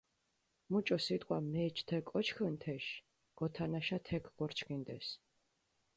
მუჭო სიტყვა მეჩ თე კოჩქჷნ თეში, გოთანაშა თექ გორჩქინდეს.